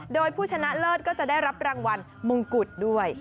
โดยผู้ชนะเลิศก็จะได้รับรางวัลมงกุฎด้วย